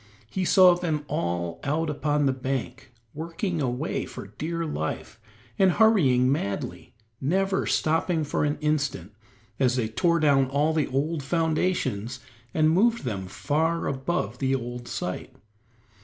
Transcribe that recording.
He saw them all out upon the bank, working away for dear life, and hurrying madly, never stopping an instant, as they tore down all the old foundations and moved them far above the old site.